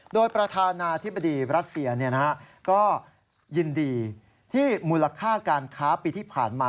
โดยประธานาธิบดีรัสเซียก็ยินดีที่มูลค่าการค้าปีที่ผ่านมา